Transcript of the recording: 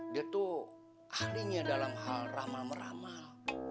dia tuh ahlinya dalam hal ramal meramal